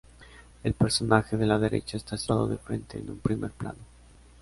El personaje de la derecha está situado de frente en un primer plano.